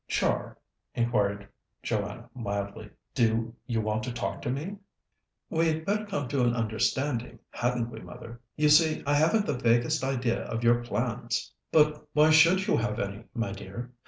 "Char," inquired Joanna mildly, "do you want to talk to me?" "We'd better come to an understanding, hadn't we, mother? You see, I haven't the vaguest idea of your plans." "But why should you have any, my dear?